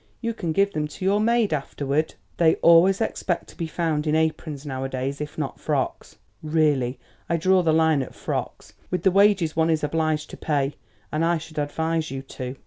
You can give them to your maid afterward; they always expect to be found in aprons nowadays if not frocks. Really, I draw the line at frocks, with the wages one is obliged to pay; and I should advise you to."